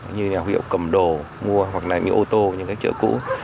như nhà hiệu cầm đồ mua hoặc là những ô tô những cái chợ cũ